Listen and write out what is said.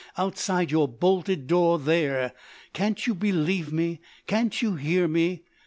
—outside your bolted door, there! Can't you believe me! Can't you hear me!